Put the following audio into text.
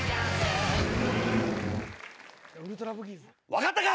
分かったか？